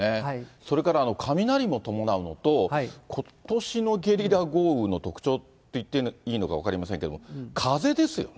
それから雷も伴うのと、ことしのゲリラ豪雨の特徴といっていいのか分かりませんけれども、風ですよね。